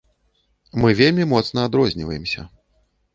Мы вельмі моцна адрозніваемся.